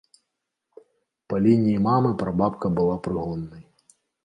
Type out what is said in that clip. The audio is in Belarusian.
Па лініі мамы прабабка была прыгоннай.